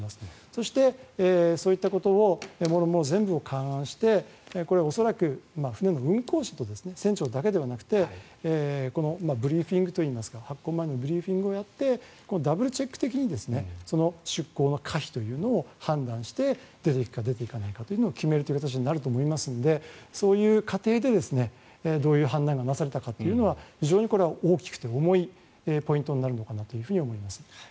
そしてそういったことをもろもろ全部を勘案してこれは恐らく、船の運航会社と船長だけではなくて発航前のブリーフィングといいますかダブルチェック的に出航の可否を判断して出ていくか出ていかないかを決める形になると思いますのでそういう過程で、どういう判断がなされたかというのは非常に大きくて重いポイントになるのかと思います。